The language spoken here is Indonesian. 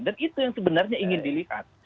dan itu yang sebenarnya ingin dilihat